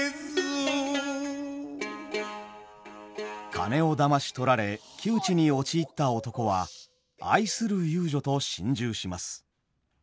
金をだまし取られ窮地に陥った男は愛する遊女と心中します。